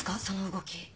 その動き。